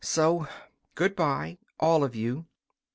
So good bye, all of you."